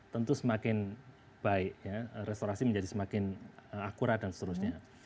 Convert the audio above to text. tentu semakin baik restorasi menjadi semakin akurat dan seterusnya